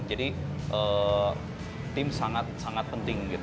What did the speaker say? jadi tim sangat sangat penting gitu